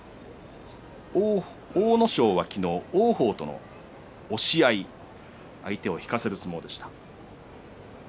阿武咲は昨日、王鵬との押し合い相手を引かせる相撲でした。